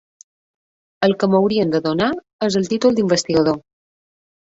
El que m'haurien de donar és el títol d'investigador!